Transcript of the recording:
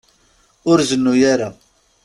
Ur zennu ara.